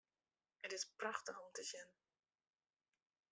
It is prachtich om te sjen.